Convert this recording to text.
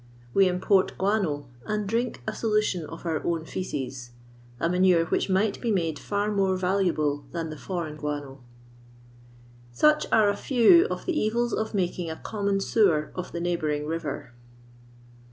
We import guano, and drink a solution of our own faeces : a manure which might be made far more valuabu: than the foreign guano. Such are a few oi the evils of making a con mon sewer of the neighbouring river.